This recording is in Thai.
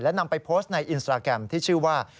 นำไปโพสต์ในอินสตราแกรมที่ชื่อว่า